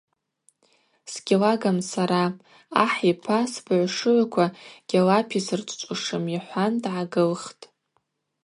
Сгьлагам сара – ахӏ йпа сбыгӏвшыгӏвква гьалаписырчӏвчӏвушым, – йхӏван дгӏагылхтӏ.